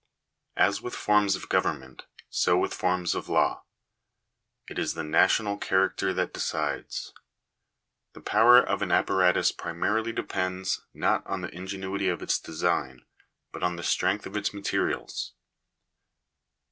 As with forms of government, so with forms of law ; it is the national character that decides. The power of an apparatus primarily depends, not on the ingenuity of its design, but on the strength of its materials.